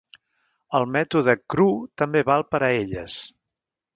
El mètode Cru també val per a elles.